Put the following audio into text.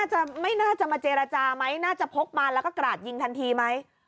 ไม่น่าจะมาเจรจาไหมน่าจะพกมาแล้วก็กราดยิงทันทีไหม